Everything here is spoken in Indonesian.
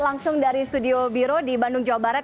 langsung dari studio biro di bandung jawa barat